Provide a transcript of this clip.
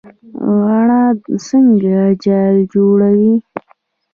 غڼه څنګه جال جوړوي؟